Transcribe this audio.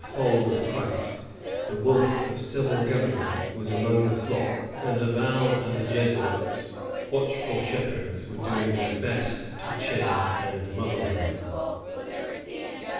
She was the fold of Christ; the wolf of civil government was among the flock, and Laval and the Jesuits, watchful shepherds, were doing their best to chain and muzzle him.